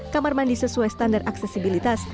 kamar mandi sesuai standar aksesibilitas